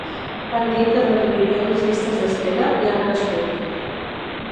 Van dir que reduirien les llistes d’espera, i han crescut.